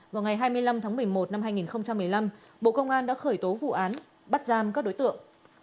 vào ngày hai mươi năm tháng một mươi một năm hai nghìn một mươi năm bộ công an đã khởi tố vụ án bắt giam các đối tượng